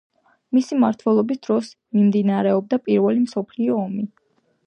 მისი მმართველობის დროს მიმდინარეობდა პირველი მსოფლიო ომი.